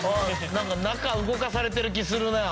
なんか中動かされてる気するな。